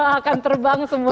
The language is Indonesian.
akan terbang semuanya